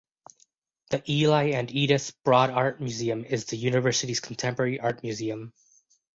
The Eli and Edythe Broad Art Museum is the university's contemporary art museum.